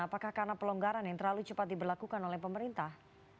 apakah karena pelonggaran yang terlalu cepat diberlakukan oleh pemerintah